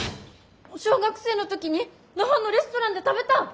小学生の時に那覇のレストランで食べた！